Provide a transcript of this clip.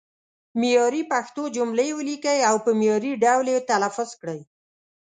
معیاري پښتو جملې ولیکئ او په معیاري ډول یې تلفظ کړئ.